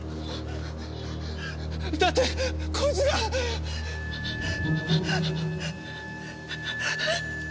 だってこいつが！あっ！？